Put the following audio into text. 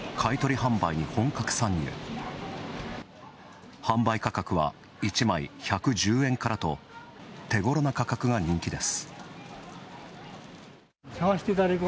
販売価格は１枚１１０円からと手ごろな価格が人気です。